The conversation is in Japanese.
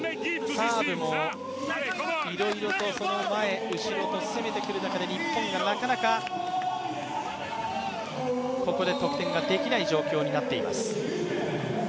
サーブもいろいろとその前、後ろと攻めてくる中で日本がなかなかここで得点ができない状況になっています。